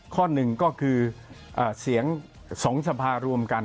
ข้อหนึ่งก็คือเสียง๒สภารวมกัน